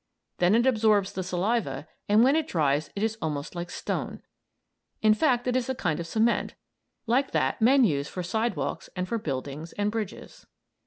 Then it absorbs the saliva, and when it dries it is almost like stone. In fact it's a kind of cement, like that men use for sidewalks and for buildings and bridges.